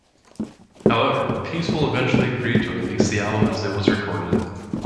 However, Peaceville eventually agreed to release the album as it was recorded.